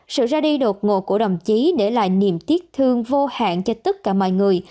sự ra đi đột ngột của đồng chí để lại niềm tiếc thương vô hạn cho tất cả mọi người